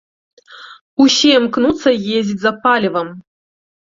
Усё імкнуцца ездзіць за палівам.